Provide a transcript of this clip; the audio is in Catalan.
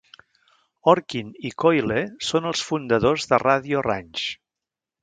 Orkin i Coyle són els fundadors de Radio Ranch.